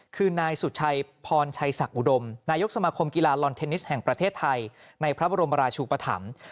คือนายสุชัยพรชัยศักดิอุดมนายกสมาคมกีฬาลอนเทนนิสแห่งประเทศไทยในพระบรมราชูปธรรม